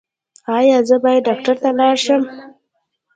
ایا زه باید ډاکټر ته لاړ شم؟